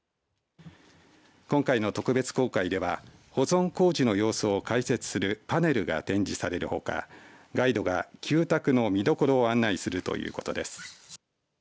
今回の特別公開は保存工事の様子を解説するパネルが展示されるほかガイドが旧宅の見どころを案内するということです。